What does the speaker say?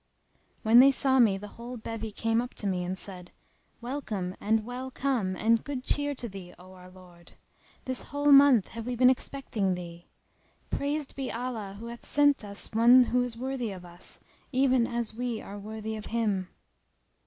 When they saw me the whole bevy came up to me and said "Welcome and well come and good cheer[FN#288] to thee, O our lord! This whole month have we been expecting thee. Praised be Allah who hath sent us one who is worthy of us, even as we are worthy of him!"